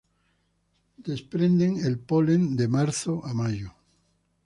Desprenden el polen de marzo a mayo.